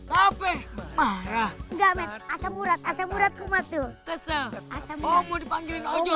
hp marah nggak asam urat urat rumah tuh kesel asam mau dipanggilin